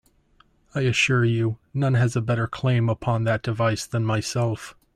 I assure you, none has a better claim upon that device than myself.